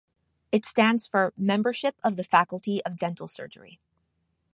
It stands for Membership of the Faculty of Dental Surgery.